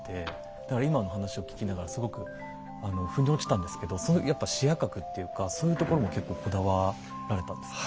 だから今の話を聞きながらすごく腑に落ちたんですけどそのやっぱ視野角っていうかそういうところも結構こだわられたんですか？